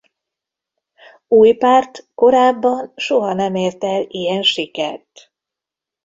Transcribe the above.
Új párt korábban soha nem ért el ilyen sikert.